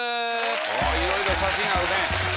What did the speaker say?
いろいろ写真あるね。